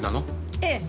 ええ。